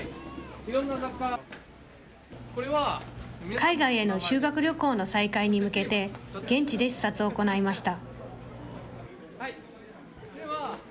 海外への修学旅行の再開に向けて、現地で視察を行いました。